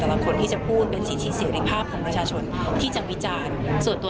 แต่ตลอดคนที่จะพูดเป็นสิทธิเสร็จภาพของราชาชนที่จะพิจารส่วนตัว